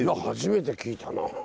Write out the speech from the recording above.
初めて聞いたな。